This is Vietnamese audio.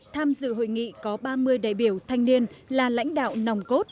tham dự hội nghị có ba mươi đại biểu thanh niên là lãnh đạo nòng cốt